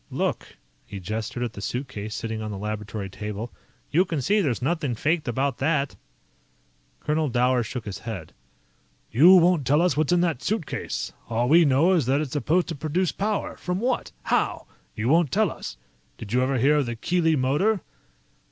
"Look." He gestured at the suitcase sitting on the laboratory table. "You can see there's nothing faked about that." Colonel Dower shook his head. "You won't tell us what's in that suitcase. All we know is that it's supposed to produce power. From what? How? You won't tell us. Did you ever hear of the Keely Motor?"